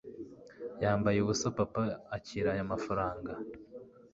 yambaye ubusapapa akira aya mafaranga